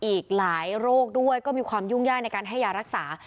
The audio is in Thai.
อีกหลายโรคด้วยก็มีความยุ่งยากในการให้ยารักษา